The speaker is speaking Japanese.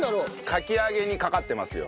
かき揚げにかかってますよ。